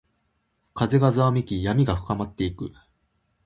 風がざわめき、闇が深まっていく。